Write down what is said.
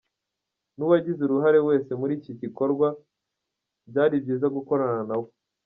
n’uwagize uruhare wese muri iki gikorwa, byari byiza gukorana na we.